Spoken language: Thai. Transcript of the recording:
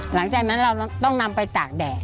หลังจากนั้นเราต้องนำไปตากแดด